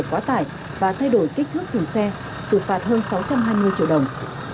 quá tải và thay đổi kích thước thùng xe xử phạt hơn sáu trăm hai mươi triệu đồng